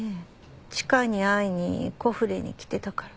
チカに会いにコフレに来てたから。